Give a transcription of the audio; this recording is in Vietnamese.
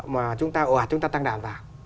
mà chúng ta ổ hạt chúng ta tăng đảm vào